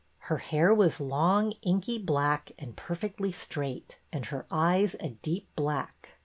Her hair was long, inky black, and perfectly straight, and her eyes a deep black.